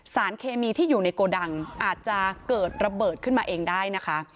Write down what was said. สารเคมีที่อยู่ในโกดังอาจจะเกิดระเบิดขึ้นมาเองได้นะคะ